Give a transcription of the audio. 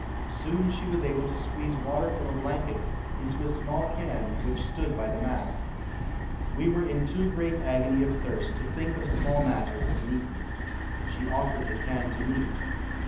Soon she was able to squeeze water from a blanket into a small can which stood by the mast. We were in too great agony of thirst to think of small matters of neatness. She offered the can to me.